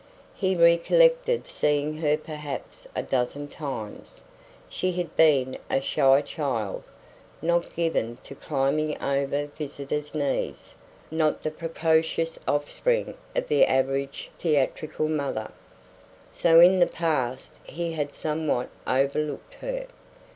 He recollected seeing her perhaps a dozen times. She had been a shy child, not given to climbing over visitors' knees; not the precocious offspring of the average theatrical mother. So in the past he had somewhat overlooked her.